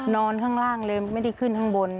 นอนข้างล่างเลยไม่ได้ขึ้นข้างบน